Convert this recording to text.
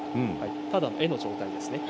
ただ絵の状態ですね。